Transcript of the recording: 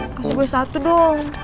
kasih gue satu dong